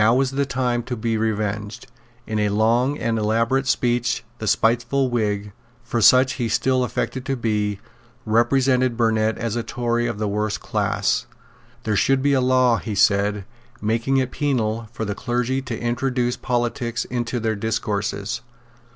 Now was the time to be revenged. In a long and elaborate speech the spiteful Whig for such he still affected to be represented Burnet as a Tory of the worst class. "There should be a law," he said, "making it penal for the clergy to introduce politics into their discourses.